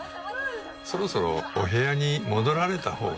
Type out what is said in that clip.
そろそろお部屋に戻られたほうが。